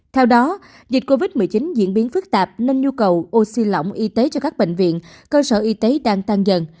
theo đó dịch covid một mươi chín diễn biến phức tạp nên nhu cầu oxy lỏng y tế cho các bệnh viện cơ sở y tế đang tăng dần